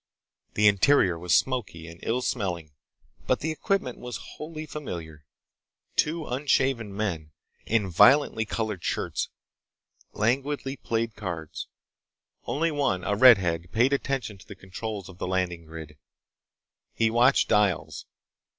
The interior was smoky and ill smelling, but the equipment was wholly familiar. Two unshaven men—in violently colored shirts—languidly played cards. Only one, a redhead, paid attention to the controls of the landing grid. He watched dials.